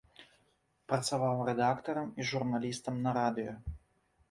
Працаваў рэдактарам і журналістам на радыё.